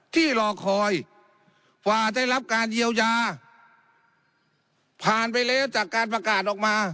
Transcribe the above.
ที่รอคอยกว่าได้รับการเยียวยาผ่านไปแล้วจากการประกาศออกมา